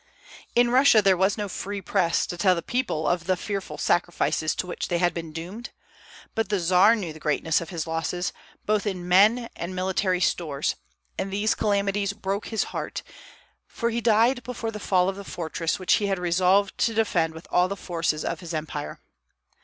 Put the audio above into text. In Russia there was no free Press to tell the people of the fearful sacrifices to which they had been doomed; but the Czar knew the greatness of his losses, both in men and military stores; and these calamities broke his heart, for he died before the fall of the fortress which he had resolved to defend with all the forces of his empire.